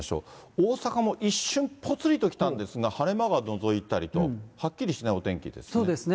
大阪も一瞬、ぽつりと来たんですが、晴れ間がのぞいたりと、はっきりしないお天気ですね。